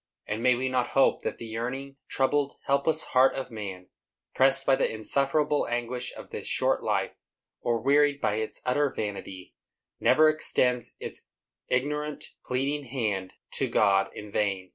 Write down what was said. And may we not hope that the yearning, troubled, helpless heart of man, pressed by the insufferable anguish of this short life, or wearied by its utter vanity, never extends its ignorant, pleading hand to God in vain?